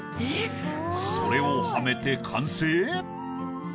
それをはめて完成？